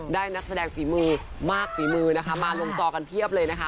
นักแสดงฝีมือมากฝีมือนะคะมาลงจอกันเพียบเลยนะคะ